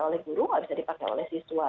oleh guru gak bisa dipakai oleh siswa